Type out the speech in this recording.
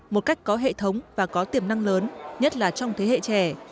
một cách có hệ thống và có tiềm năng lớn nhất là trong thế hệ trẻ